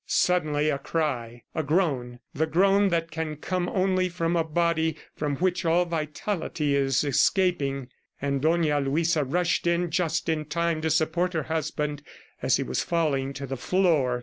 Suddenly a cry ... a groan ... the groan that can come only from a body from which all vitality is escaping. And Dona Luisa rushed in just in time to support her husband as he was falling to the floor.